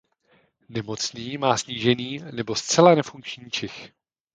Nemocný má snížený nebo zcela nefunkční čich.